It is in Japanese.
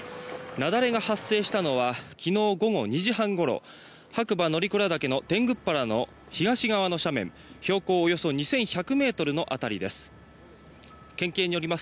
雪崩が発生したのは昨日午後２時半ごろ白馬乗鞍岳の天狗原の東側の斜面標高およそ２１００ｍの辺りです。